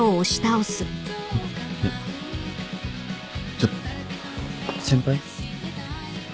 ちょっ先輩？